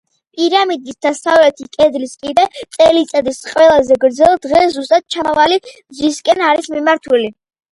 პირამიდის დასავლეთი კედლის კიბე წელიწადის ყველაზე გრძელ დღეს ზუსტად ჩამავალი მზისკენ არის მიმართული.